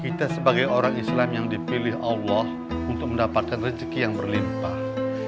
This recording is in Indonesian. kita sebagai orang islam yang dipilih allah untuk mendapatkan rezeki yang berlimpah